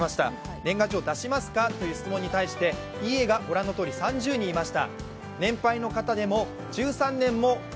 年賀状を出しますか？という質問に対して、いいえが３０人いました。